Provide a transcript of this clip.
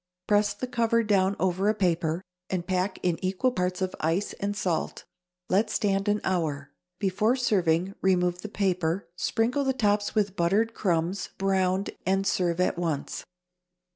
Press the cover down over a paper, and pack in equal parts of ice and salt. Let stand an hour. Before serving, remove the paper, sprinkle the tops with buttered crumbs, browned, and serve at once.